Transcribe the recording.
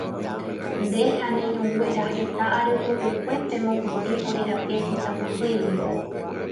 Nde ha ne irũnguéra heta ary pukukue pemopotĩ ore rape itapohýigui.